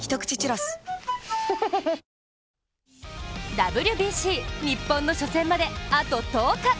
ＷＢＣ日本の初戦まであと１０日。